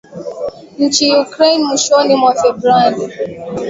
nchini Ukraine mwishoni mwa Februari